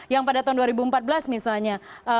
yang pada tahun dua ribu empat belas misalnya